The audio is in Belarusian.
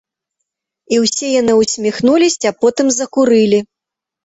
І ўсе яны ўсміхнуліся, потым закурылі.